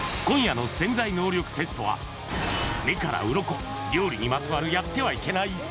今夜の「潜在能力テスト」は目からうろこ料理にまつわるやってはいけない。